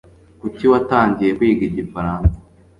Kuki watangiye kwiga igifaransa?